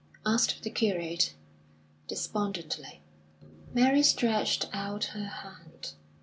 asked the curate, despondently. Mary stretched out her hand.